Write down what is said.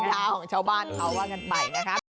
เช้าของชาวบ้านเขาว่ากันไปนะครับ